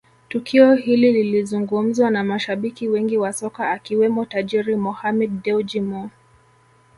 Tukio hilo lilizungumzwa na mashabiki wengi wa soka akiwemo tajiri Mohammed Dewji Mo